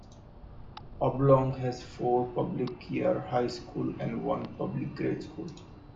Oblong has one public four year high school and one public grade school.